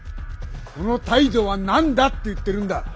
その態度は何だって言ってるんだ！